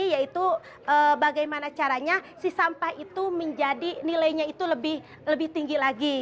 yaitu bagaimana caranya si sampah itu menjadi nilainya itu lebih tinggi lagi